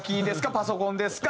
パソコンですか？